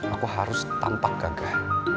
aku harus tampak gagah